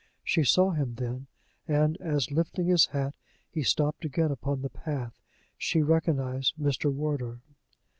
She saw him then, and as, lifting his hat, he stopped again upon the path, she recognized Mr. Wardour.